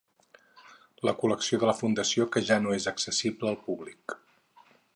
La col·lecció de la fundació que ja no és accessible al públic.